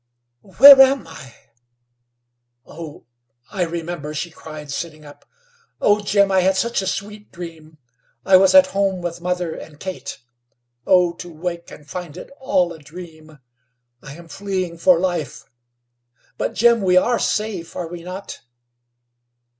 "Where a I? Oh, I remember," she cried, sitting up. "Oh, Jim, I had such a sweet dream. I was at home with mother and Kate. Oh, to wake and find it all a dream! I am fleeing for life. But, Jim, we are safe, are we not?"